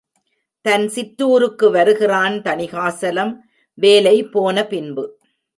தன் சிற்றுருக்கு வருகிறான் தணிகாசலம், வேலை போன பின்பு.